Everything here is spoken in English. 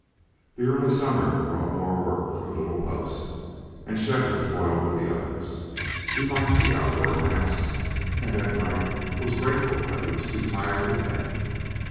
The early summer brought more work for the little post, and Shefford toiled with the others. He liked the outdoor tasks, and at night was grateful that he was too tired to think.